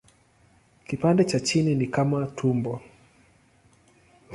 Kipande cha chini ni kama tumbo.